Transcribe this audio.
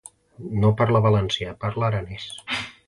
No parla valencià, parla aranès.